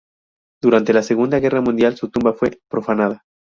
Durante la Segunda Guerra Mundial, su tumba fue profanada.